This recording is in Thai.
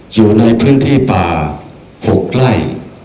อยู่ในพื้นที่ป่า๖ไร่